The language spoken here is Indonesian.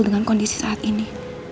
dengan kondisi saat ini